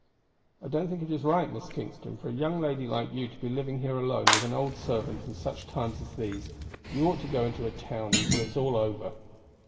"I don't think it is right, Miss Kingston, for a young lady like you to be living here alone with an old servant in such times as these. You ought to go into a town until it's all over."